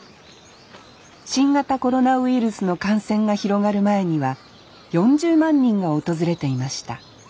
新型コロナウイルスの感染が広がる前には４０万人が訪れていました。